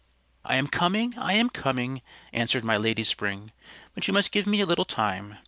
"I am coming, I am coming," answered my Lady Spring. "But you must give me a little time."